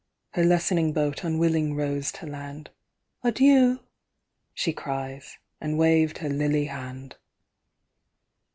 Her lessening boat unwilling rows to land;'Adieu!' she cries; and waved her lily hand.